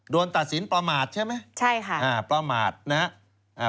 โดนตัดสินประมาทใช่ไหมประมาทนะครับใช่ค่ะ